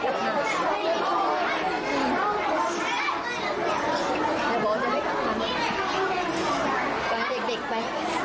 เกั้งละ